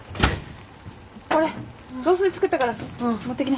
ほれ雑炊作ったから持っていきな。